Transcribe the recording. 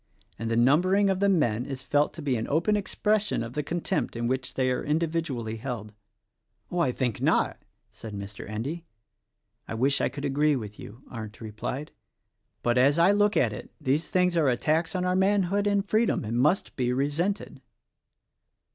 And the numbering of the men is felt to be an open expression of the contempt in which they are individually held." "Oh, I think not!" said Mr. Endy. "I wish I could agree with you," Arndt replied, "but as I look at it these things are attacks on our manhood and freedom, and must be resented."